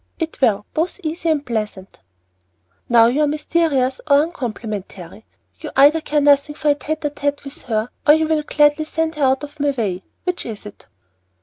"It will, both easy and pleasant." "Now you are mysterious or uncomplimentary. You either care nothing for a tête à tête with her, or you will gladly send her out of my way. Which is it?"